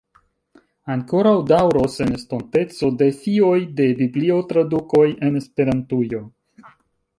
Ankoraŭ daŭros en estonteco defioj de Biblio-tradukoj en Esperantujo.